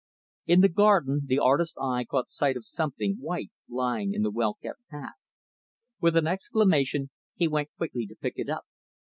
In the garden, the artist's eye caught sight of something white lying in the well kept path. With an exclamation, he went quickly to pick it up.